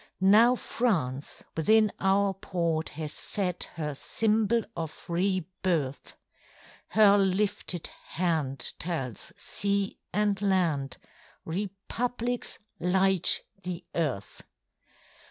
Now France within our port has set Her symbol of re birth; Her lifted hand tells sea and land Republics light the earth.